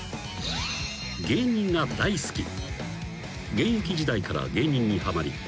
［現役時代から芸人にはまり］